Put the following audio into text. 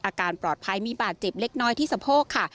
อาการปลอดภัยมีบาดเจ็บเล็กน้อยที่สะโพกค่ะ